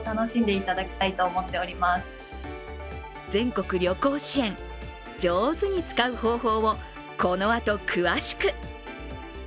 全国旅行支援、上手に使う方法をこのあと詳しく！